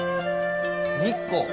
日光？